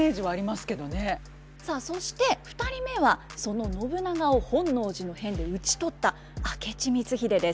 さあそして２人目はその信長を本能寺の変で討ち取った明智光秀です。